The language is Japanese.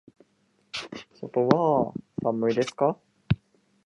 外は寒いですか。